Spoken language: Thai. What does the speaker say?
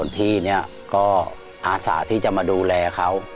พี่เนี่ยก็อาสาที่จะมาดูแลเขา